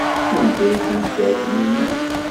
Anda ay d-tenker Taninna?